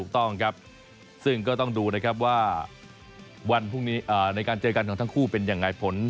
ถูกต้องครับซึ่งก็ต้องดูนะครับว่าวันพรุ่งนี้ในการเจอกันของทั้งคู่เป็นยังไงผล